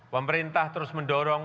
pemerintah terus mendorong